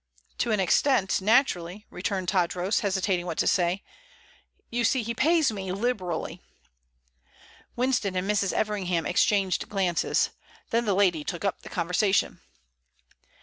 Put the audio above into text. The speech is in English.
"To an extent, naturally," returned Tadros, hesitating what to say. "You see, he pays me liberally." Winston and Mrs. Everingham exchanged glances. Then the lady took up the conversation.